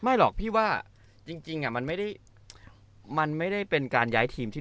หรอกพี่ว่าจริงมันไม่ได้มันไม่ได้เป็นการย้ายทีมที่